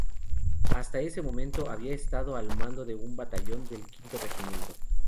Hasta ese momento había estado al mando de un batallón del Quinto Regimiento.